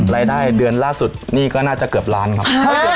รายได้เดือนล่าสุดนี่ก็น่าจะเกือบล้านครับ